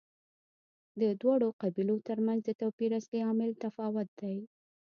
د دواړو قبیلو ترمنځ د توپیر اصلي عامل تفاوت دی.